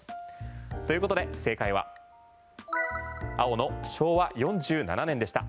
ということで正解は青の昭和４７年でした。